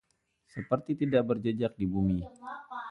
Seperti tidak berjejak di bumi